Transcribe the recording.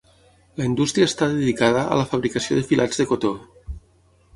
La indústria està dedicada a la fabricació de filats de cotó.